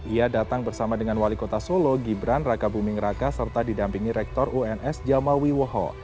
ia datang bersama dengan wali kota solo gibran raka buming raka serta didampingi rektor uns jamal wiwoho